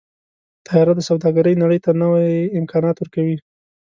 طیاره د سوداګرۍ نړۍ ته نوي امکانات ورکوي.